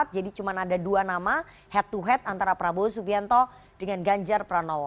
jadi cuma ada dua nama head to head antara prabowo subianto dengan ganjar pranowo